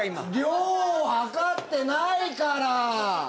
量を量ってないから！